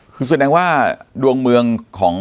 คือสัญญาณว่าดวงเมือง